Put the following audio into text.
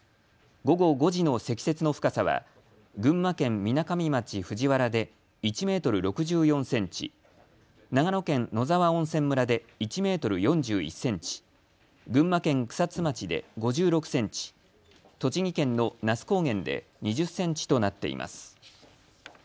午後５時の積雪の深さは群馬県みなかみ町藤原で１メートル６４センチ、長野県野沢温泉村で１メートル４１センチ、群馬県草津町で５６センチ、栃木県の那須高原で２０センチとなっています。